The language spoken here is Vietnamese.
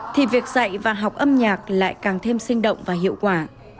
thì việc dạy và học âm nhạc lại càng thêm sinh động và hiệu quả